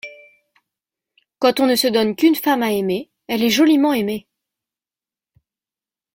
Quand on ne se donne qu’une femme à aimer, elle est joliment aimée.